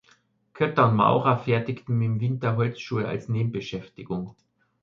Kötter und Maurer fertigten im Winter Holzschuhe als Nebenbeschäftigung.